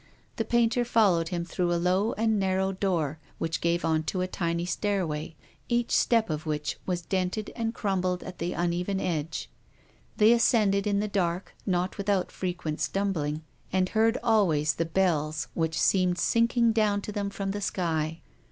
The painter followed him through a low and narrow door which gave on to a tiny stairway, each step of which was dented and crumbled at the uneven edge. They ascended in the dark, not without frequent stumbling, and l8 TONGUES OF CONSCIENCE. heard always the bells which seemed sinking down to them from the sky.